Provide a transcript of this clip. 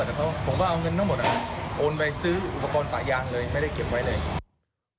แต่ผมก็เอาเงินทั้งหมดโอนไปซื้ออุปกรณ์ป่ายางเลยไม่ได้เก็บไว้เลย